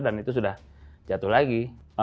dan itu sudah jatuh lagi